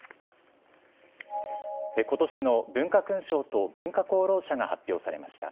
ことしの文化勲章と文化功労者が発表されました。